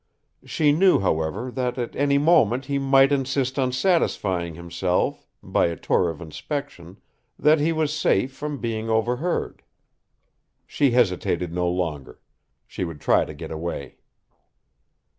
She knew, however, that at any moment he might insist on satisfying himself, by a tour of inspection, that he was safe from being overheard. She hesitated no longer. She would try to get away.